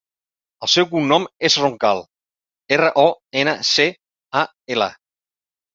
El seu cognom és Roncal: erra, o, ena, ce, a, ela.